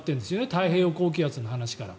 太平洋高気圧の話から。